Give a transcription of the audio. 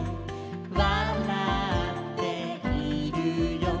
「わらっているよ」